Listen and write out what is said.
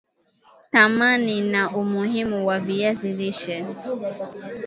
Thamani na umuhimu wa viazi lishe